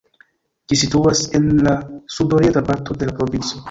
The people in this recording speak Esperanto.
Ĝi situas en la sudorienta parto de la provinco.